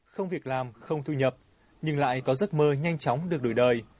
không việc làm không thu nhập nhưng lại có giấc mơ nhanh chóng được đổi đời